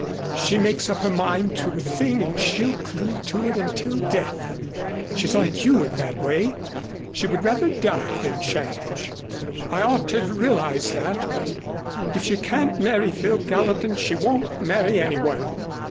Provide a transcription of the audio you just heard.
She makes up her mind to a thing and she'll cling to it until death. She's like you in that way. She would rather die than change. I ought to have realized that. If she can't marry Phil Gallatin, she won't marry any one.